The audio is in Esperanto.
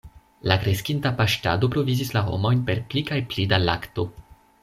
La kreskinta paŝtado provizis la homojn per pli kaj pli da lakto.